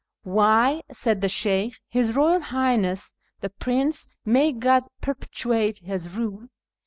" Why," said the Sheykh, " his Eoyal Highness the Prince (may God perpetuate his rule